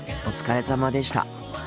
お疲れさまでした。